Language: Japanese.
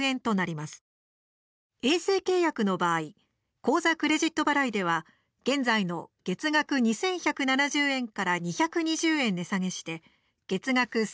衛星契約の場合口座、クレジット払いでは現在の月額２１７０円から２２０円値下げして月額１９５０円。